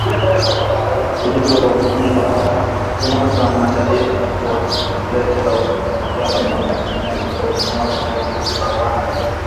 Ujumbe wa Umoja wa Mataifa wa kuleta utulivu katika Jamhuri ya Kidemokrasia ya Kongo wanajua kuhusu waasi wa Vikosi vya Kidemokrasia vya Ukombozi wa Rwanda kuwa ndani ya jeshi la Jamhuri ya kidemokrasia ya Kongo.